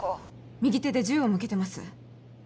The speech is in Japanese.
右手で銃を向けてます